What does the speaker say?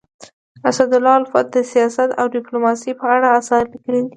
اسدالله الفت د سیاست او ډيپلوماسی په اړه اثار لیکلي دي.